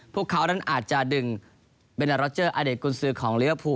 พวกเขานั้นอาจจะดึงเบนเตอร์รอเจอร์อเด็ดกุญศือของเลือกผู้